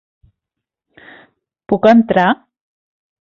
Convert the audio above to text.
Puc entrar?